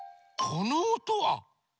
このおとは？